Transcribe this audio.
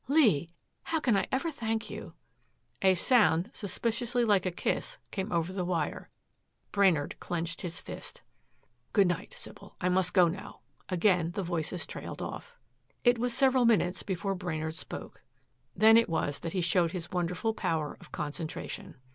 "Lee, how can I ever thank you?" A sound suspiciously like a kiss came over the wire. Brainard clenched his fist. "Good night, Sybil. I must go now " Again the voices trailed off. It was several minutes before Brainard spoke. Then it was that he showed his wonderful power of concentration.